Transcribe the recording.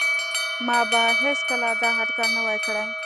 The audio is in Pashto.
ما به هیڅکله دا اټکل نه وای کړی